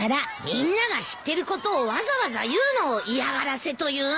みんなが知ってることをわざわざ言うのを嫌がらせというんだ。